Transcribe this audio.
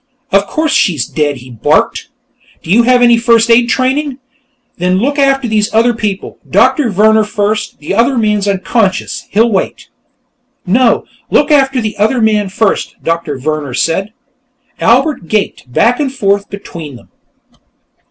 "Of course she's dead!" he barked. "You have any first aid training? Then look after these other people. Doctor Vehrner first; the other man's unconscious; he'll wait." "No; look after the other man first," Doctor Vehrner said. Albert gaped back and forth between them.